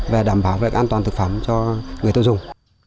về đảm bảo về an toàn thực phẩm cho người tư dùng